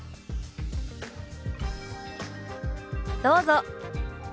どうぞ。